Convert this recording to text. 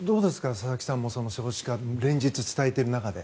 佐々木さんも少子化、連日伝えている中で。